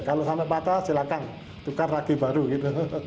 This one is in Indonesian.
kalau sampai patah silakan tukar lagi baru gitu